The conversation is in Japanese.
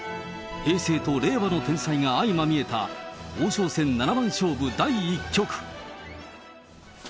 平成と令和の天才が相まみえた王将戦七番勝負第１局。